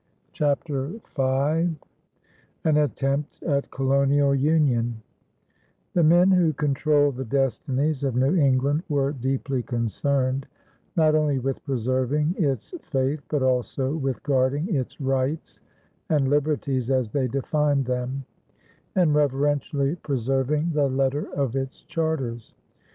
CHAPTER V AN ATTEMPT AT COLONIAL UNION The men who controlled the destinies of New England were deeply concerned not only with preserving its faith but also with guarding its rights and liberties as they defined them, and reverentially preserving the letter of its charters.